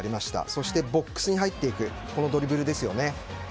そしてボックスに入っていくドリブルですよね。